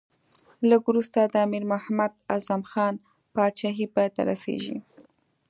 لږ وروسته د امیر محمد اعظم خان پاچهي پای ته رسېږي.